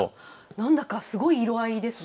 何だかすごい色合いですね。